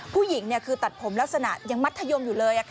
ผู้หญิงคือตัดผมลักษณะยังมัธยมอยู่เลย